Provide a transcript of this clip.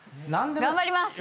頑張ります！